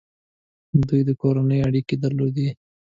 دوی د کورنۍ اړیکې درلودې.